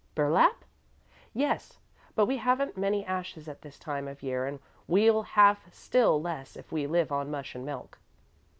"Burlap?" "Yes. But we haven't many ashes at this time of year and we'll have still less if we live on mush and milk."